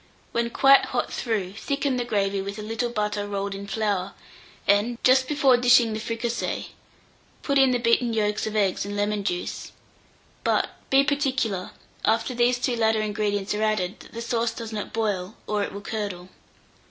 When quite hot through, thicken the gravy with a little butter rolled in flour, and, just before dishing the fricassee, put in the beaten yolks of eggs and lemon juice; but be particular, after these two latter ingredients are added, that the sauce does not boil, or it will curdle.